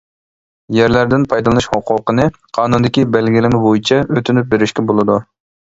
يەرلەردىن پايدىلىنىش ھوقۇقىنى قانۇندىكى بەلگىلىمە بويىچە ئۆتۈنۈپ بېرىشكە بولىدۇ.